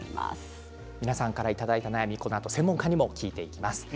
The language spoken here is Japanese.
皆さんからの悩みをこのあと専門家にも聞いていきます。